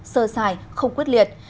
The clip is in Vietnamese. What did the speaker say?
sơ sài không quyết liệt